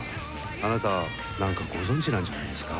あなた何かご存じなんじゃないですか？